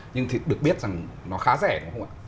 nhưng thì được biết rằng nó khá rẻ đúng không ạ